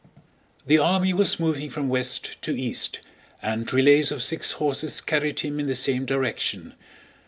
The army was moving from west to east, and relays of six horses carried him in the same direction.